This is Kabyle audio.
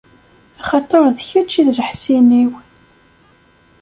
Axaṭer d kečč i d leḥṣin-iw.